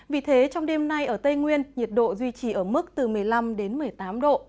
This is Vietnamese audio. vì thế trong đêm nay ở tây nguyên nhiệt độ duy trì ở mức từ một mươi năm đến một mươi tám độ